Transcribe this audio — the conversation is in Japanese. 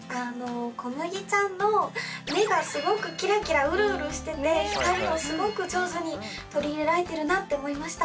こむぎちゃんの目がすごくキラキラウルウルしてて光をすごく上手に取り入れられてるなって思いました。